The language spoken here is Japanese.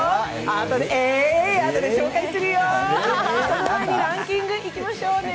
その前にランキングいきましょうね。